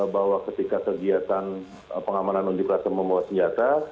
bahwa ketika kegiatan pengamanan undi klasem membuat senjata